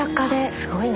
すごいね。